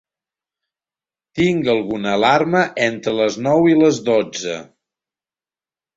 Tinc alguna alarma entre les nou i les dotze?